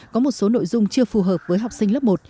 có một số nội dung chưa phù hợp với học sinh lớp một